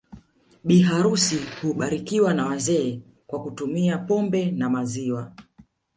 Bi harusi hubarikiwa na wazee kwa kutumia pombe na maziwa